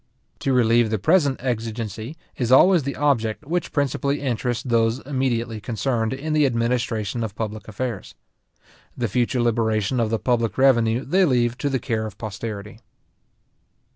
To relieve the present exigency, is always the object which principally interests those immediately concerned in the administration of public affairs. The future liberation of the public revenue they leave to the care of posterity.